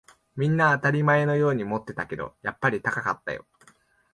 みんな当たり前のように持ってたけど、やっぱり高かったよ